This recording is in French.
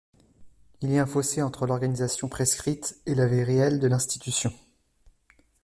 Il y a un fossé entre l'organisation prescrite, et la vie réelle de l'institution.